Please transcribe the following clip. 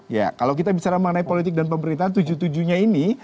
ya kalau kita bicara mengenai politik dan pemerintahan tujuh tujuh nya ini